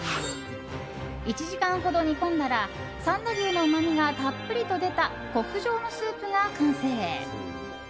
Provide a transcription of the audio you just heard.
１時間ほど煮込んだら三田牛のうまみがたっぷりと出た極上のスープが完成。